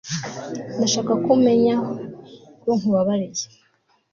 ndashaka ko umenya ko nkubabariye